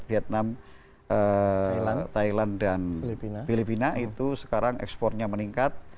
vietnam thailand dan filipina itu sekarang ekspornya meningkat